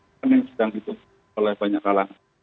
ya ini yang sedang ditutup oleh banyak halangan